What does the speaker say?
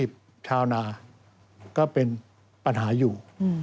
ชาวนาก็เป็นปัญหาอยู่